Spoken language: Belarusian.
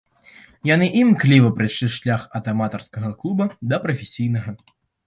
Яны імкліва прайшлі шлях ад аматарскага клуба да прафесійнага.